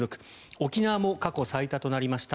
沖縄も過去最多となりました。